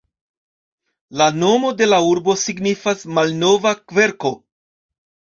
La nomo de la urbo signifas "malnova kverko".